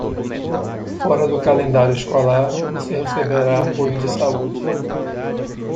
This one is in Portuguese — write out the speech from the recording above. Fora do calendário escolar, você receberá apoio de saúde.